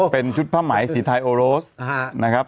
เป็นชุดผ้าไหมสีไทยโอโรสนะครับ